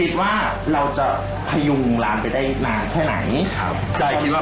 สวนด้านหน้าสองฝั่งราคาเท่าไหร่ครับ